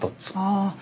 ああ